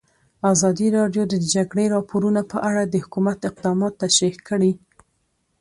ازادي راډیو د د جګړې راپورونه په اړه د حکومت اقدامات تشریح کړي.